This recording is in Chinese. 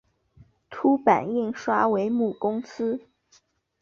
凸版印刷为母公司。